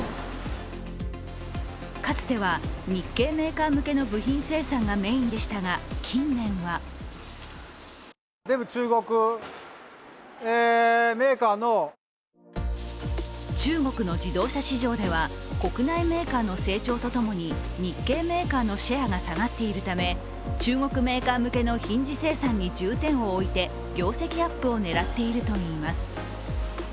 かつては日系メーカー向けの部品生産がメインでしたが近年は中国の自動車市場では国内メーカーの成長とともに日系メーカーのシェアが下がっているため、中国メーカー向けのヒンジ生産に重点を置いて業績アップを狙っているといいます。